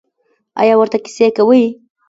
ایا ورته کیسې کوئ؟